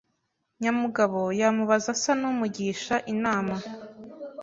nyamugabo yamubaza asa numugisha inama